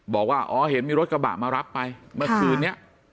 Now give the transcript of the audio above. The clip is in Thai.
บอกว่าอ๋อเห็นมีรถกระบะมารับไปเมื่อคืนนี้